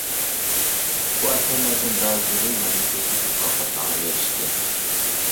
بۇ ئەسەرلەردىن بەزىلىرى مەملىكەتلىك مۇكاپاتلارغا ئېرىشتى.